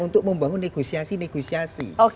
untuk membangun negosiasi negosiasi